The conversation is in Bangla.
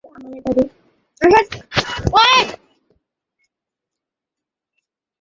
যখনই এ গন্ধ সে পায় তখনই কি জানি কেন তাহার বাবার কথা মনে পড়ে।